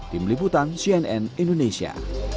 tim liputan cnn indonesia